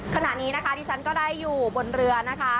ขณะนี้นะคะที่ฉันก็ได้อยู่บนเรือนะคะ